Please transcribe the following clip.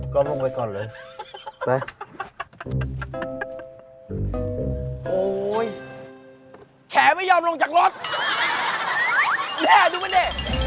ก็ลงไปก่อนเลยไปโอ้ยแขไม่ยอมลงจากรถแม่ดูมันดิ